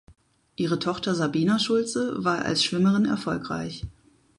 Ihre Tochter Sabina Schulze war als Schwimmerin erfolgreich.